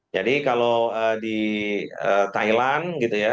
jadi kalau di thailand gitu ya